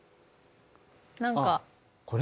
何か。